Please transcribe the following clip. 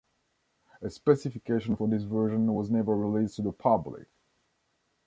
A specification for this version was never released to the public.